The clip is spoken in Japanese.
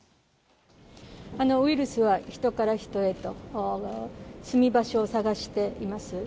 ウイルスは人から人へと住み場所を探しています。